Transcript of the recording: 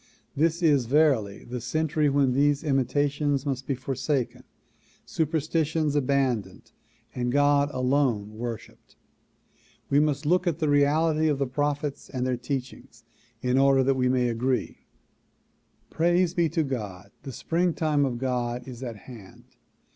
This is verily the century when these imitations must be forsaken, superstitions abandoned and God alone worshiped. We must look at the reality of the prophets and their teachings in order that we may agree. Praise be to God ! the springtime of God is at hand.